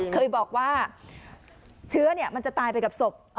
เคยบอกว่าเชื้อมันจะตายไปกับศพ